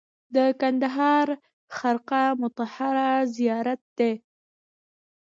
د کندهار خرقه مطهره زیارت دی